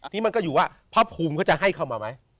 นี่มันก็อยู่ว่าพระภูมิเขาจะให้เข้ามาไหม